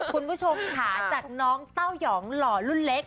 คุณผู้ชมค่ะจากน้องเต้ายองหล่อรุ่นเล็ก